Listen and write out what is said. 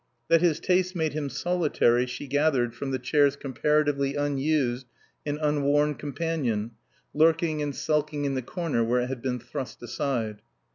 That his tastes made him solitary she gathered from the chair's comparatively unused and unworn companion, lurking and sulking in the corner where it had been thrust aside.